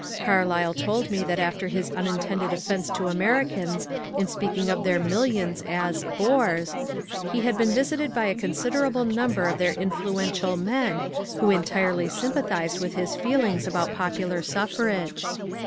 Carlyle told me that after his unintended offence to Americans in speaking of their millions as ^^ bores," he had been visited by a consider able number of their influential men who entirely sympathized with his feelings about popular suffrage.